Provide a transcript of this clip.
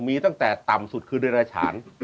มีตั้งแต่ต่ำสุดคือเดราชาน